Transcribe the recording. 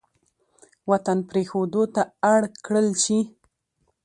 وطـن پـرېښـودو تـه اړ کـړل شـي.